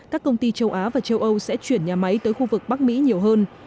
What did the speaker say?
các công ty châu á và châu âu sẽ chuyển nhà máy tới khu vực bắc mỹ nhiều hơn